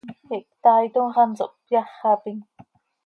Ihptaaitom x, hanso hpyáxapim.